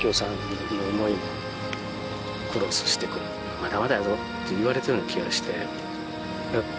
まだまだやぞって言われてるような気がして。